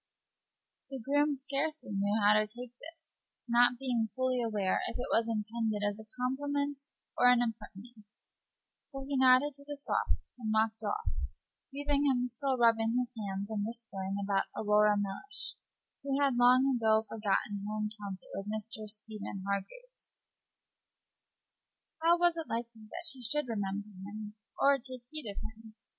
The groom scarcely knew how to take this, not being fully aware whether it was intended as a compliment or an impertinence. So he nodded to the softy and strode off, leaving him still rubbing his hands and whispering about Aurora Mellish, who had long ago forgotten her encounter with Mr. Stephen Hargraves. How was it likely that she should remember him or take heed of him?